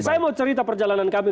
saya mau cerita perjalanan kami